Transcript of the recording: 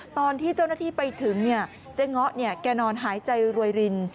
ตอนที่เจ้าหน้าที่ไปถึงเจ๊เงาะแกนอนหายใจรวยริน